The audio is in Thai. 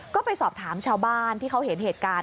ก็ไปสอบถามชาวบ้านที่เขาเห็นเหตุการณ์